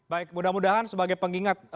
baik mudah mudahan sebagai pengingat